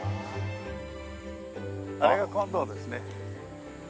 あれが金堂ですね。